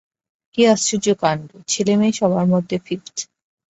কী আশ্চর্য কাণ্ড, ছেলেমেয়ে সবার মধ্যে ফিফথ।